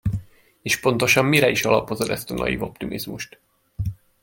És pontosan mire is alapozod ezt a naiv optimizmust?